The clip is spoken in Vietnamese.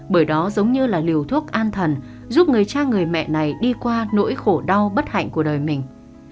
bởi đó giống như là liều thuốc an thần giúp người cha người mẹ này đi qua nỗi khổ đau bất hạnh của đời mình